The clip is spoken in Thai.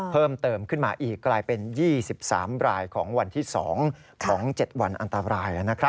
เพิ่มเติมขึ้นมาอีกกลายเป็น๒๓รายของวันที่๒ของ๗วันอันตราย